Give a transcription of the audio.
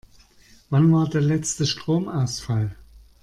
Wann war der letzte Stromausfall?